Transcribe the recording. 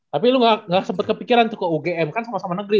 tapi lu gak sempat kepikiran tuh ke ugm kan sama sama negeri